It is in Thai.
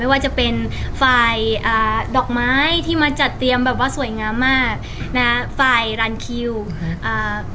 ว่าจะเป็นฝ่ายอ่าดอกไม้ที่มาจัดเตรียมแบบว่าสวยงามมากนะฮะฝ่ายรันคิวอ่า